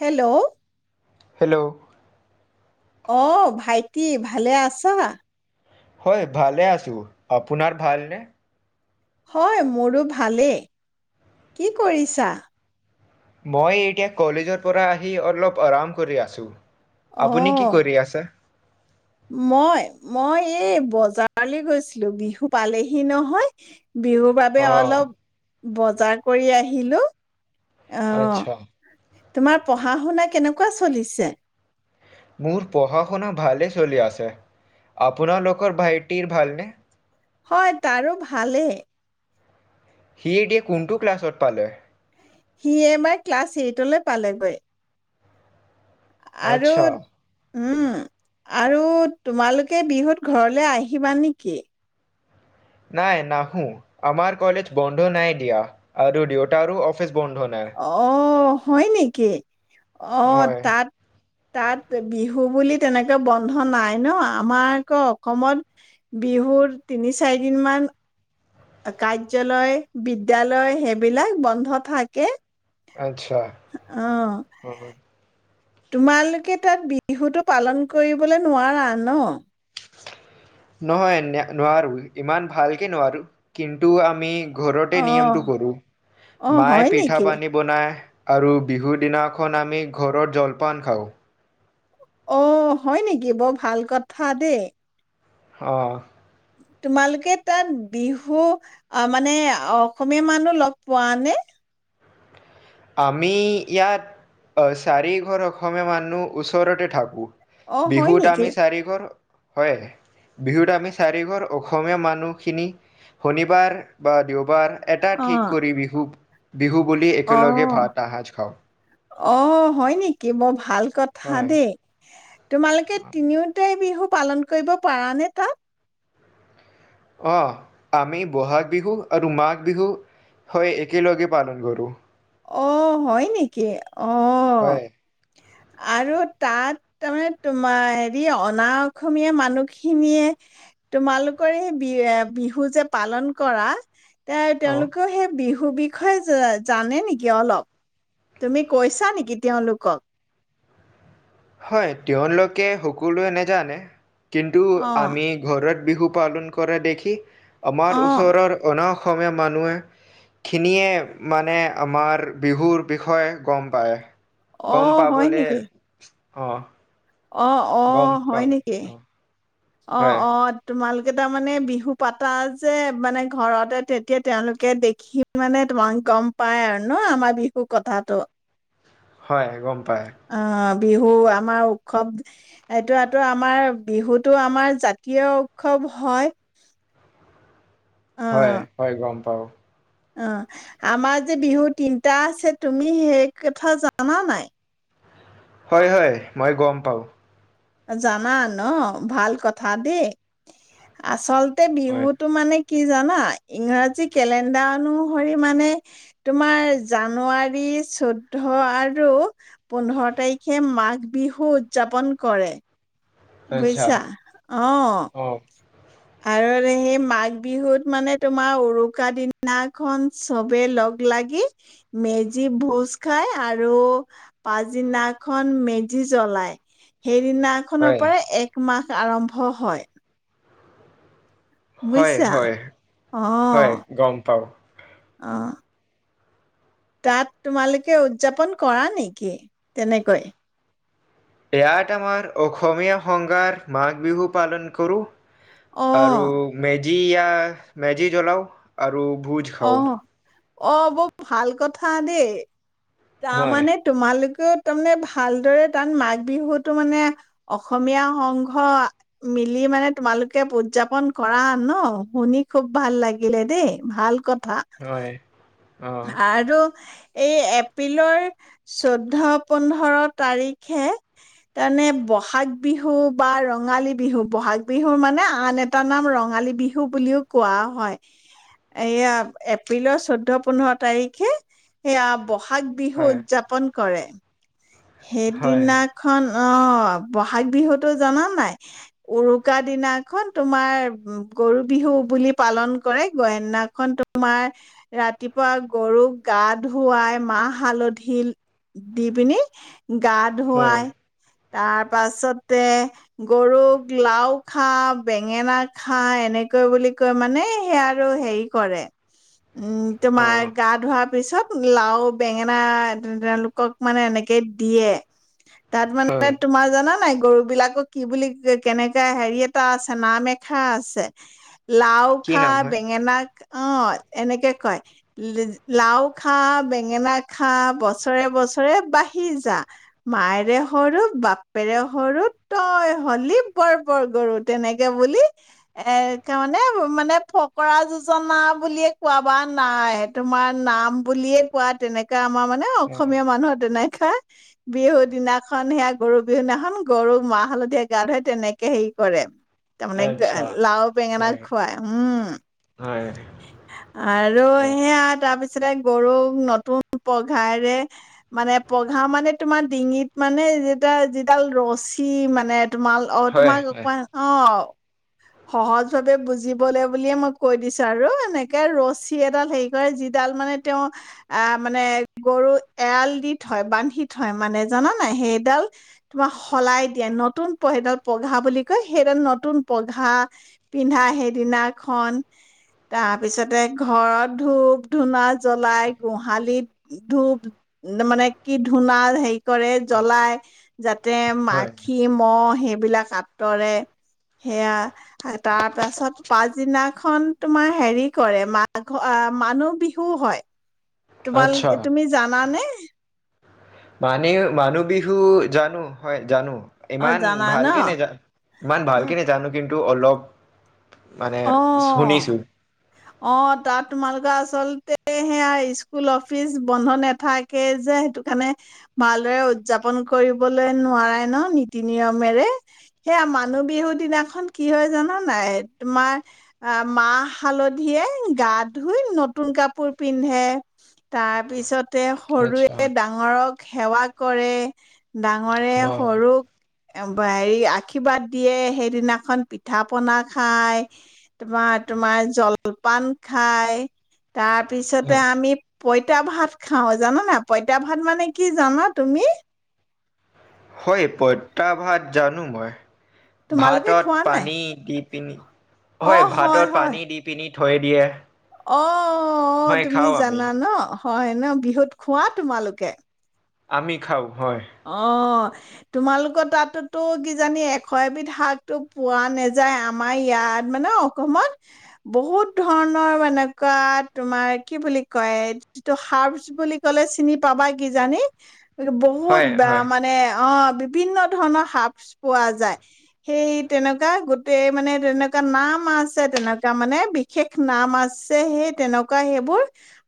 Hello hello অ ভাইটি ভালে আছা হয় ভালে আছো আপোনাৰ ভালনে হয় মোৰো ভালেই কি কৰিছা মই এতিয়া কলেজৰ পৰা আহি অলপ আৰাম কৰি আছোঁ অ আপুনি কি কৰি আছে মই মই এই বজাৰলৈ গৈছিলো বিহু পালেহি নহয় বিহুৰ বাবে অঁ, অলপ বজাৰ কৰি আহিলো অ আচ্ছা তোমাৰ পঢ়া শুনা কেনেকুৱা চলিছে মোৰ পঢ়া শুনা ভালে চলি আছে আপোনালোকৰ ভাইটিৰ ভালনে হয় তাৰো ভালেই সি এতিয়া কোনটো ক্লাছত পালে সি এইবাৰ ক্লাছ এইটলৈ পালেগৈ আৰু আচ্ছা উম আৰু তোমালোকে বিহুত ঘৰলে আহিবা নেকি নাই নাহো আমাৰ কলেজ বন্ধ নাই দিয়া আৰু দেউতাৰো অফিছ অ হয় নেকি অ হয় তাত তাত বিহু বুলি তেনেকৈ বন্ধ নাই ন আমাৰ আকৌ অসমত বিহুৰ তিনি চাৰিদিন মান কাৰ্য্যালয় বিদ্যালয় সেইবিলাক বন্ধ থাকে। আচ্ছা অ', হম হম তোমালোকে তাত বিহুটো পালন কৰিবলৈ নোৱাৰা ন নহয় নে নোৱাৰো ইমান ভালকে নোৱাৰো কিন্তু আমি ঘৰতে অ', নিয়মটো কৰো অ', হয় মায়ে পিঠা নেকি পানী বনায় আৰু বিহু দিনাখন আমি ঘৰত জলপান খাওঁ অ হয় নেকি বৰ ভাল কথা দেই অ তোমালোকে তাত বিহু মানে অ অসমীয়া মানুহ লগ পোৱা নে আমি ইয়াত অ চাৰিঘৰ অসমীয়া মানুহ ওচৰতে থাকোঁ অ', হয় বিহুত নেকি আমি চাৰিঘৰ হয় বিহুত আমি চাৰিঘৰ অসমীয়া মানুহখিনি শনিবাৰ বা দেওবাৰ এটা ঠিক অ', কৰি বিহু বিহু বুলি একেলগে অ', ভাত এহাঁজ খাওঁ অ হয় নেকি বৰ ভাল কথা দেই হয় তোমালোকে তিনিওটাই বিহু পালন কৰিব পাৰা নে তাত অ আমি বহাগ বিহু আৰু মাঘ বিহু হয় একেলগে পালন কৰোঁ অ হয় নেকি অ' হয় আৰু তাত তাৰমানে তোমাৰ হেৰি অনা অসমীয়া মানুহখিনিয়ে তোমালোকৰ এই বি বিহু যে পালন কৰা তে অ' তেওঁলোকেও সেই বিহু হু বিষয়ে জ জানে নেকি কে অলপ তুমি কৈছা নেকি তেওঁলোকক হয় তেওঁলোকে সকলোৱে নেজানে কিন্তু অ' আমি ঘৰত বিহু পালন কৰা দেখি আমাৰ অ' ওচৰৰ অনা অস সমীয়া মানুহ খিনিয়ে মানে আমাৰ বিহুৰ বিষয়ে গম পায় গম অ' পাবলে অঁ অঁ অঁ হয় নেকি অঁ হয়। অঁ তোমালোকে তাৰ মানে বিহু পাতা যে মানে ঘৰতে, তেতিয়া তেওঁলোকে দেখি মানে তোমাক গম পাই আৰু ন', আমাৰ বিহুৰ কথাাতটো। হয় গম পায় অ', বিহু আমাৰ উৎসৱ এইটোতো আমাৰ বিহুতটো আমাৰ জাতীয় উৎসৱ হয়। হয় -হয় গম পাওঁ অঁ', আমাৰ যে বিহু তিনিটা আছে তুমি সেই কথা জানা নাই? হয়-হয় মই গম পাওঁ। জানা ন', ভাল কথা দেই আচল হয় বিহুতটো মানে, কি জানা ইংৰাজী কেলেণ্ডাৰ অনুসৰি মানে তোমাৰ জানুৱাৰী চৈধ্য আৰু পোন্ধৰ তাৰিখে মাঘ বিহু উদযাপন কৰে। আচ্ছা বুজিছা অ', আৰু সেই মাঘ বিহুত মানে তোমাৰ উৰুকা দিনাখন চবে লগ লাগি মেজি ভোজ খাই আৰু পাছদিনাখন মেজি জ্বলাই। সেইদিনাখনৰ হয়। পৰা একমাহ, আৰম্ভ হয়। হয়- বুজিছা? হয়-হয় অ', গম পাঁও। অ', তাত তোমালোকে উদযাপন কৰা নেকি তেনেকৈ? ইয়াত আমাৰ অসমীয়া সংঘাত মাঘ বিহু পালন কৰোঁ। আৰু অ', মেজ, যি ইয়া মেজি জলাও আৰু ভোজ খাওঁ। অ', অ', বৰ ভাল কথা দেই হয় তাৰমানে তোমালোক তাৰমানে ভালদৰে তাত মাঘ বিহুতো মানে অসমীয়া সংঘ মিলি মানে তোমালোকে উদযাপন কৰা ন', শুনি খুব ভাল লাগিলে দেই ভাল কথা। হয় অ আৰু এই এপ, এপ্ৰিলৰ চৈধ্য-পোন্ধৰ তাৰিখে তাৰমানে বহাগ বিহু বা ৰঙালী বিহু ব'হাগ বিহুৰ মানে আন এটা নাম ৰঙালী বিহু বুলিও কোৱা হয়, এইয়া এপ্ৰিলৰ চৈধ্য-পোন্ধৰ তাৰিখে সেয়া ব'হাগ বিহু হয় উদযাপন কৰে। হয় হয় সেইদিনাখন অঁ', ব'হাগ বিহুতো জানা নাই উৰুকা দিনাখন তোমাৰ গৰু বিহু বুলি পালন কৰে। সদিনাখন তোমাৰ ৰাতিপুৱা গৰুক গা ধুৱাই মাহ হালধি দি পিনি [inaudible] গা-ধুৱাই হয় তাৰ পাছতে গৰুক লাও খা, বেঙেনা খা, এনেকৈ বুলি কৈ মানে সেই আৰু হেৰি কৰে। উম', অ তোমাৰ গা-ধোৱাৰ পিছত লাও বেঙেনা তেওঁলোকক মানে এনেকে দিয়ে তাত মানে হয় তোমাৰ জানা নাই গৰু বিলাকক কি বুলি ক কেনেকে হেৰি এটা আছে নাম এখা আছে লাও কি খা নাম হয় বেঙেনা অ এনেকে কয় লাও খা বেঙেনা খা বছৰে বছৰে বাঢ়ি সিজা মায়েৰে সৰু বাপেৰে সৰু তই হলি বৰ বৰ গৰু তেনেকে বুলি এ তানে মানে ফকৰা যোজনা বুলিয়ে কোৱা বা নাই তোমাৰ নাম বুলিয়ে কোৱা তেনেকা আমাৰ মানে অ অসমীয়া মানুহত নাই বিহু দিনাখন সেয়া গৰু বিহু দিনাখন গৰু মাহ হালধিৰে গা ধুৱে তেনেকে হেৰি কৰে তাৰ মানে আচ্ছা লাও বেঙেনা হয় খুৱায় উম হয় আৰু অ সেয়া তাৰপিছতে গৰুক নতুন পঘাৰে মানে পঘা মানে তোমাৰ ডিঙিত মানে যিডাল যিডাল ৰছী মানে তোমাৰ অ হয় তোমাক হয় পোৱা অ সহজ ভাবে বুজিবলে বুলিয়ে মই কৈ দিছো আৰু এনেকে ৰছী এডাল হেৰি কৰে যিডাল মানে তেওঁ আহ মানে গৰু এৰাল দি থয় বান্ধি থয় মানে জান নাই সেইডাল তোমাক সলাই দিয়ে নতুন কৈ সেইডাল পঘা বুলি কয় সেইডাল নতুন পা ঘাঁ পিন্ধা সেইদিনাখন তাৰপিছতে ঘৰত ধূপ ধূনা জ্বলাই গোহালিত ধূপ মানে কি ধুনা হেই কৰে অ জ্বলাই যাতে হয় মাখি মহ সেই বিলাক আঁতৰে সেয়া তাৰ পাছত পাছদিনাখন তোমাৰ হেৰি কৰে মাঘ মানুহ বিহু হয় তোমাল আচ্ছা তুমি জানানে মানে মানুহ বিহু জানো হয় জানো অ ইমান জানা ন ভালকে নেজানো ইমান ভালকে উম, নোজানো কিন্তু টো অলপ মানে অ শুনিছো অ তাত তোমালোকে আচল সেয়া স্কুল অফিচ বন্ধ নাথাকে যে সেইটো কাৰণে ভালদৰে উদযাপন কৰিবলৈ নোৱাৰাই ন নীতি নিয়মেৰে সেয়া মানুহ বিহু দিনাখন কি হয় জান নাই তোমাৰ আহ মাহ হালধিয়ে গা ধুই নতুন কাপোৰ পিন্ধে তাৰপিছত তে আচ্ছা সৰুৱে ডাঙৰক সেৱা কৰে ডাঙৰে হয় সৰুক হেৰি আশীৰ্বাদ দিয়ে সেইদিনাখন পিঠা পনা খাই তোমাৰ তোমাৰ জলপান খাই তাৰপিছতে আমি পইতা ভাত খাওঁ জান নাই? পঁইতা ভাত মানে কি জানা তুমি? হয় পঁইতা ভাত জানো মই। তোমালোকে ভাতত খোৱা নাই পানী দি পিনি হয় ভাতত পানী দি পিনি থৈ দিয়ে অঁ অ অ হয় তুমি খাওঁ আমি জানা ন হয় ন বিহুত খোৱা তোমালোকে আমি খাওঁ হয় অ তোমালোকৰ তাতোতো কিজানি এশ এবিধ শাকতো পোৱা নাযায়, আমাৰ ইয়াত মানে অসমত বহুত ধৰণৰ মানে এনেকুৱা তোমাৰ কি বুলি কয় যিটো হাৰ্বছ বুলি কলে চিনি পাবাই কিজানি এইটো ব হয় বা হয় মানে অ বিভিন্ন ধৰণৰ হাৰ্বছ পোৱা যায়। সেই তেনেকুৱা গোটেই মানে তেনেকুৱা নাম আছে তেনেকুৱা মানে বিশেষ নাম আছে সেই তেনেকুৱা সেইবোৰ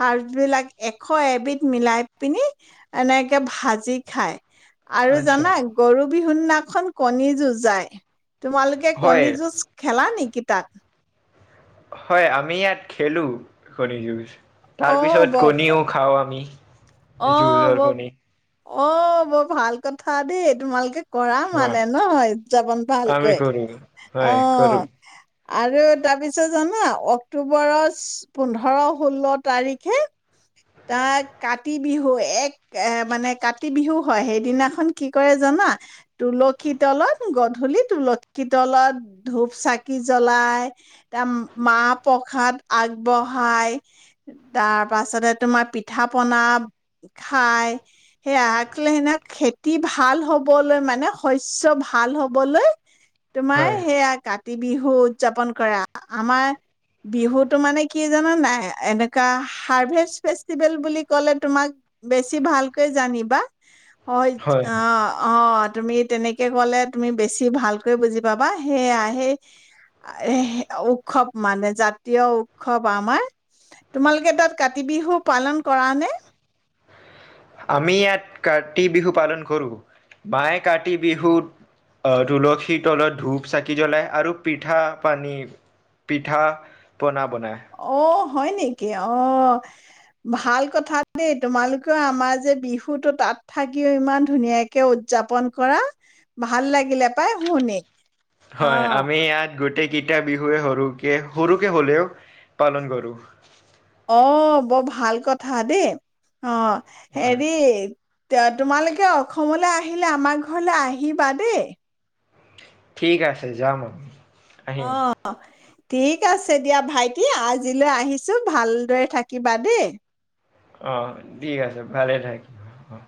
হাৰ্বছ বিলাক এশ এবিধ মিলাই পিনি এনেকে ভাজি খায় আৰু আচ্ছা জানা গৰু বিহুদিনাখন কণী যুঁজায় তোমালোকে হয় কণী যুঁজ খেলা নি? কি তাত হয় আমি ইয়াত খেলো কণী যুঁজ। তাৰ পিছত অ' ব কণীও খাওঁ আমি এই অ' ব যুজৰ কনি অ বৰ ভাল কথা দেই তোমালোকে কৰা হয় মানে ন উদযাপন আমি ভালকৈ। কৰো অ, হয় কৰো আৰু তাৰপিছত জানা অক্টোবৰৰ চ্ পোন্ধৰ ষোল্ল তাৰিখে তাক কা তি বিহু এক এ মানে কাতি বিহু হয় সেইদিনাখন কি কৰে জানা তুলসী তলত গধূলি তুলসী তলত ধূপ চাকি জ্বলাই, তাৰ মাহ প্ৰসাদ আগবঢ়াই, তাৰ পাছতে তোমাৰ পিঠা পনা খাই, সেয়া আখলে সেইদিনাখন খেতি ভাল হবলৈ মানে শস্য ভাল হবলৈ তোমাৰ হয় সেয়া কাত তি বিহু উদযাপন কৰা আমাৰ বিহুতো মানে কি জানা নাই এনেকুৱা হাৰ্ভেষ্ট ফেষ্টিভেল বুলি ক'লে তোমাক বেছি ভালকৈ জানিবা হয় অ অ তুমি তেনেকে কলে তুমি বেছি ভালকৈ বুজি পাবা সেয়া সেই সে উৎসৱ মানে জাতীয় উৎসৱ আমাৰ। তোমালোকে তাত কাতি বিহু পালন কৰা নে? আমি ইয়াত কাতি বিহু পালন কৰো। মায়ে কাতি বিহুত আহ তুলসীৰ তলত ধূপ চাকি জ্বলায় আৰু পিঠা পানী পিঠা পনা বনায় অ হয় নেকি? অ ভাল কথা দেই তোমালোকেও আমাৰ যে বিহুতো তাত থাকিও ইমান ধুনীয়াকে উদযাপন কৰা। ভাল লাগিলে পাই শুনি হয় আমি ইয়াত গোটেই কেইটা বিহুৱে সৰুকে সৰুকে হ'লেও পালন কৰোঁ অ বৰ ভাল কথা দেই অ হয় হেৰি তোমালোকে অসমলৈ আহিলে আমাৰ ঘৰলৈ আহিবা দেই ঠিক আছে যাম আমি আহিম অ ঠিক আছে দিয়া ভাইটি আজিলৈ আহিছোঁ ভালদৰে থাকিবা দেই আহ ঠিক আছে ভালে থাকিম আহ